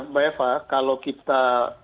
mbak eva kalau kita